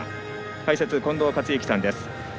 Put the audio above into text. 解説、近藤克之さんです。